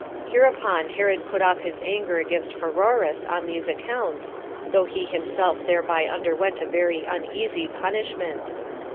Hereupon Herod put off his anger against Pheroras on these accounts, although he himself thereby underwent a very uneasy punishment.